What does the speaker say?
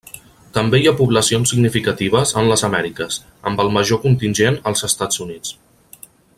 També hi ha poblacions significatives en les Amèriques, amb el major contingent als Estats Units.